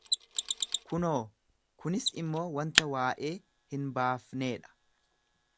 kunoo, kunis immoo wanta waa'ee hin baafnee dha;